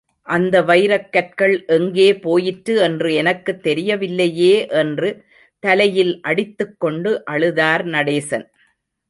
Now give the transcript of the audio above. அந்த வைரக்கற்கள் எங்கே போயிற்று என்று எனக்குத் தெரியவில்லையே என்று தலையில் அடித்துக் கொண்டு அழுதார் நடேசன்.